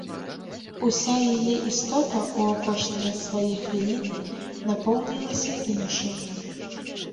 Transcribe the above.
Уся яе істота ў апошнія свае хвіліны напоўнілася іншым.